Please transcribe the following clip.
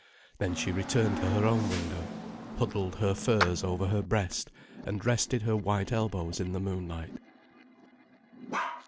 Then she returned to her own window, huddled her furs over her breast, and rested her white elbows in the moonlight.